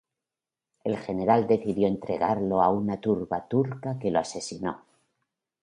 El general decidió entregarlo a una turba turca que lo asesinó.